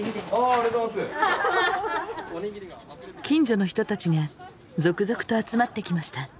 近所の人たちが続々と集まってきました。